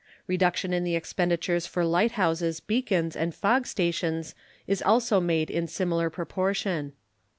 Reduction in the expenditures for light houses, beacons, and fog stations is also made in similar proportion.